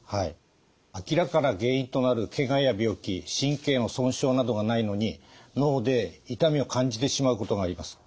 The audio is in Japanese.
明らかな原因となるけがや病気神経の損傷などがないのに脳で痛みを感じてしまうことがあります。